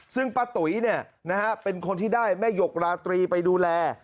ซึ่งป้าตุ๋ยเป็นคนที่ได้แม่หยกราตรีไปดูแล